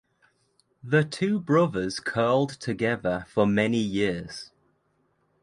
The two brothers curled together for many years.